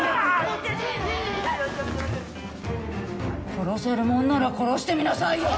殺せるもんなら殺してみなさいよ。